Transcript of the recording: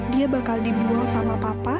dia bakal dibuang sama papa